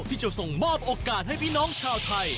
ที่จะส่งมอบโอกาสให้พี่น้องชาวไทย